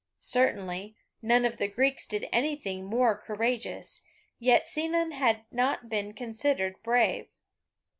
Certainly, none of the Greeks did anything more courageous, yet Sinon had not been considered brave.